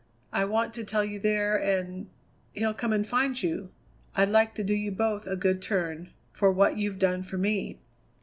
I want to tell you there, and he'll come and find you. I'd like to do you both a good turn for what you've done for me."